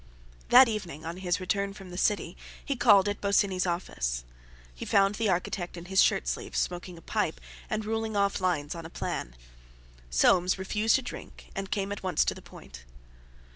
That evening, on his return from the City, he called at Bosinney's office. He found the architect in his shirt sleeves, smoking a pipe, and ruling off lines on a plan. Soames refused a drink, and came at once to the point.